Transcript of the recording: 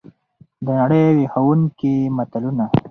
دنړۍ ویښوونکي متلونه!